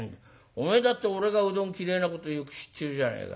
お前だって俺がうどん嫌いなことよく知ってるじゃねえか。